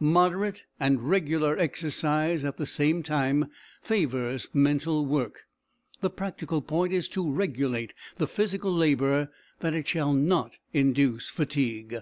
Moderate and regular exercise, at the same time, favours mental work. The practical point is to regulate the physical labour that it shall not induce fatigue.